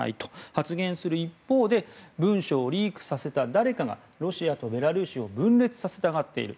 発言する一方で文書をリークさせた誰かがロシアとベラルーシを分裂させたがっている。